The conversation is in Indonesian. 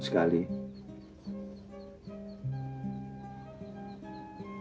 tidak pernah lebih serius